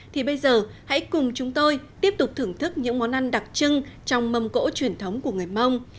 thì bây giờ hãy cùng chúng tôi tiếp tục thưởng thức những món ăn đặc trưng trong mâm cỗ truyền thống của người mông